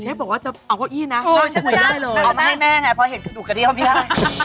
เชฟพอจะเอาก้ออี้น่ะพอให้ตอนหนูใช้ิ้บ